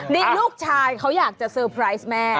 นี่ลูกชายเขาอยากจะเซอร์ไพรส์แม่